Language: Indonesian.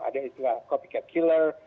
ada istilah copycat killer